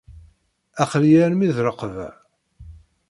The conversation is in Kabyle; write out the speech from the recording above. Aql-iyi armi d rreqba.